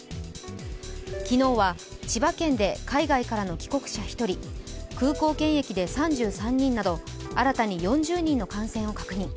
昨日は千葉県で海外からの帰国者１人、空港検疫で３３人など新たに４０人の感染を確認。